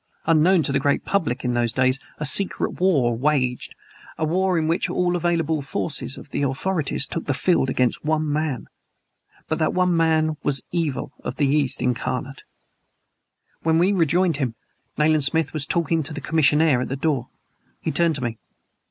Unknown to the great public, in those days a secret war waged a war in which all the available forces of the authorities took the field against one man! But that one man was the evil of the East incarnate. When we rejoined him, Nayland Smith was talking to the commissionaire at the door. He turned to me.